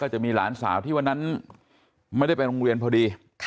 จะมีหลานสาวที่วันนั้นไม่ได้ไปโรงเรียนพอดี